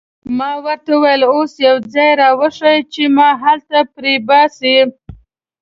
ما ورته وویل: اوس یو ځای را وښیه چې ما هلته پرېباسي.